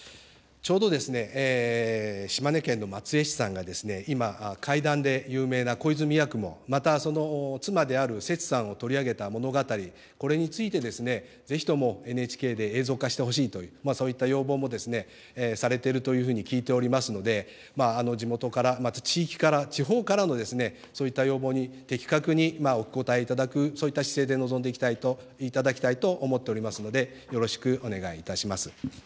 ちょうど島根県の松江市さんが今、怪談で有名な小泉八雲、またその妻であるセツさんを取り上げた物語、これについてですね、ぜひともＮＨＫで映像化してほしいという、そういった要望もされているというふうに聞いておりますので、地元から、また地域から、地方からのそういった要望に的確にお応えいただく、そういった姿勢で臨んでいただきたいと思っておりますので、よろしくお願いいたします。